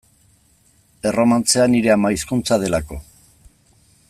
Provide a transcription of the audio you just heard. Erromantzea nire ama hizkuntza delako.